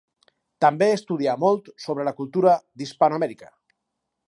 També estudià molt sobre la cultura d'Hispanoamèrica.